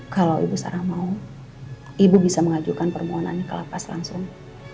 kalau ibu sarah mau ibu bisa mengajukan permohonannya ke lapas langsung